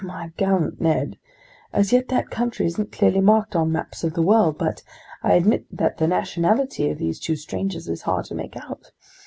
"My gallant Ned, as yet that country isn't clearly marked on maps of the world, but I admit that the nationality of these two strangers is hard to make out!